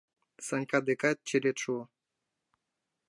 Санька декат черет шуо.